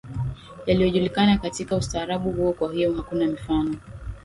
yaliyojulikana katika ustaarabu huo Kwa hiyo hakuna mifano